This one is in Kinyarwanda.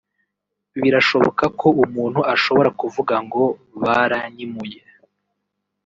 Birashoboka ko umuntu ashobora kuvuga ngo baranyimuye